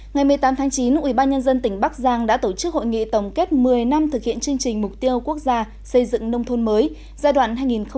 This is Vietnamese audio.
ngày một mươi tám tháng chín ubnd tỉnh bắc giang đã tổ chức hội nghị tổng kết một mươi năm thực hiện chương trình mục tiêu quốc gia xây dựng nông thôn mới giai đoạn hai nghìn một mươi một hai nghìn hai mươi